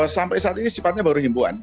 sampai saat ini sifatnya baru himpuan